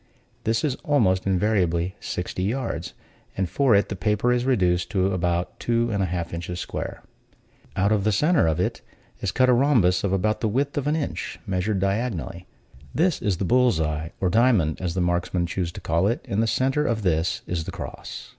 This is almost invariably sixty yards, and for it the paper is reduced to about two and a half inches square. Out of the center of it is cut a rhombus of about the width of an inch, measured diagonally; this is the bull's eye, or diamond, as the marksmen choose to call it; in the center of this is the cross.